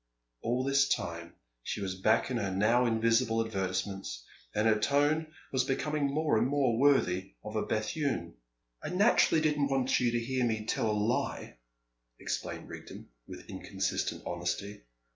All this time she was back in her now invisible advertisements. And her tone was becoming more and more worthy of a Bethune. "I naturally didn't want you to hear me tell a lie," explained Rigden, with inconsistent honesty.